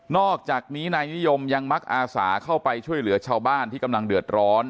อกจากนี้นายนิยมยังมักอาสาเข้าไปช่วยเหลือชาวบ้านที่กำลังเดือดร้อน